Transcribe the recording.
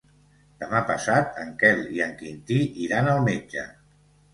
Demà passat en Quel i en Quintí iran al metge.